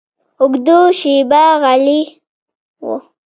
اوږده شېبه غلی و.